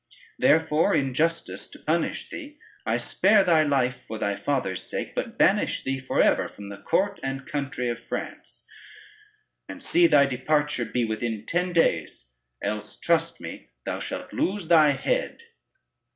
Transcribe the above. Therefore, in justice to punish thee, I spare thy life for thy father's sake, but banish thee for ever from the court and country of France; and see thy departure be within ten days, else trust me thou shalt lose thy head."